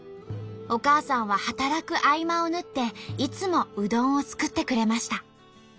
お母さんは働く合間を縫っていつもうどんを作ってくれました。